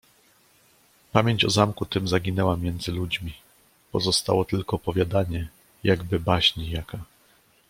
"Pamięć o zamku tym zaginęła między ludźmi, pozostało tylko opowiadanie, jakby baśń jaka."